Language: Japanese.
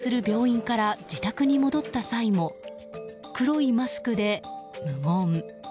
昨日、日大が運営する病院から自宅に戻った際も黒いマスクで無言。